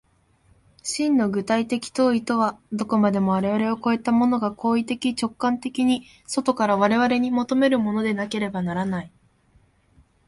真の具体的当為とは、どこまでも我々を越えたものが行為的直観的に外から我々に求めるものでなければならない。